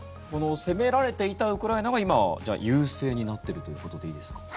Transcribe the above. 攻められていたウクライナが今、優勢になっているということでいいですか？